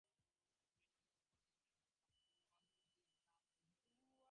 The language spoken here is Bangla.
এই সঙ্গমের পর হইতেই ভাগীরথীর নাম হুগলি হইয়াছে।